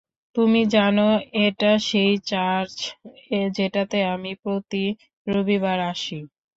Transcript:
তুমি জানো, এটা সেই চার্চ, যেটাতে আমি প্রতি রবিবার আসি।